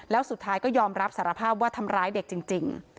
แล้วสุดท้ายก็ยอมรับสารภาพว่าทำร้ายเด็กจริง